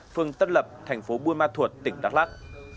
phường tân lập thành phố buôn ma thuột tỉnh đắk lắc